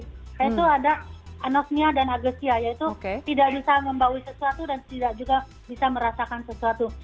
yaitu ada anosmia dan agresia yaitu tidak bisa membawi sesuatu dan tidak juga bisa merasakan sesuatu